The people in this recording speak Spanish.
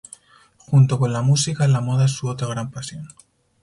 Junto con la música, la moda es su otra gran pasión.